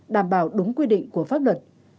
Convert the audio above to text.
đảm bảo đúng quy định của pháp luật